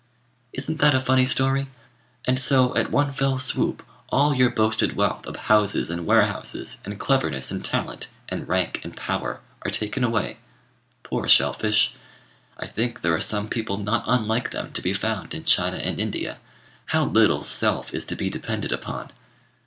Isn't that a funny story? And so, at one fell swoop, all your boasted wealth of houses and warehouses, and cleverness and talent, and rank and power, are taken away. Poor shell fish! I think there are some people not unlike them to be found in China and India. How little self is to be depended upon!